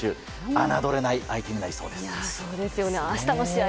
侮れない相手になりそうです。